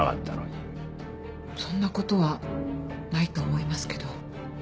そんなことはないと思いますけど。